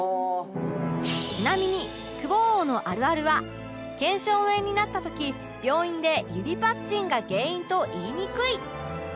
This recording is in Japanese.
ちなみに久保王のあるあるは腱鞘炎になった時病院で指パッチンが原因と言いにくい